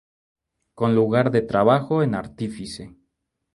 Con lugar de Trabajo en Artífice.